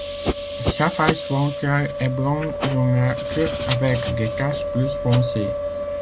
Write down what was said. Sa face ventrale est blanc jaunâtre avec des taches plus foncées.